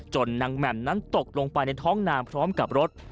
นางแหม่มนั้นตกลงไปในท้องนามพร้อมกับรถ